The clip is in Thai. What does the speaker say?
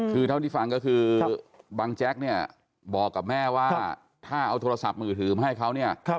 คือเท่าที่ฟังก็คือบังแจ๊กเนี่ยบอกกับแม่ว่าถ้าเอาโทรศัพท์มือถือมาให้เขาเนี่ย